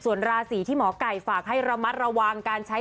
ส่วนราศีที่หมอไก่ฝากให้ระมัดระวังการใช้